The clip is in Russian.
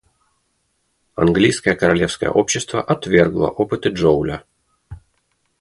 Английское Королевское общество отвергло опыты Джоуля.